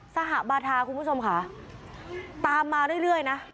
สหบาทาคุณผู้ชมค่ะตามมาเรื่อยนะ